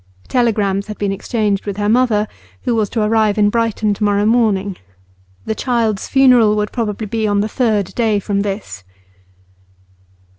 Telegrams had been exchanged with her mother, who was to arrive in Brighton to morrow morning; the child's funeral would probably be on the third day from this.